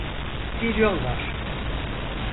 Bir yol var.